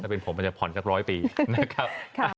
เป็นผมมันจะผ่อนสักร้อยปีนะครับ